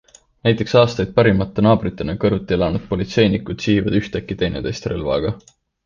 Näiteks aastaid parimate naabritena kõrvuti elanud politseinikud sihivad ühtäkki teineteist relvaga.